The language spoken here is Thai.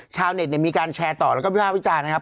ชาวเน็ตมีการแชร์ต่อแล้วก็วิภาควิจารณ์นะครับ